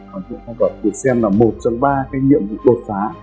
hoàn thiện pháp luật được xem là một trong ba cái nhiệm vụ đột phá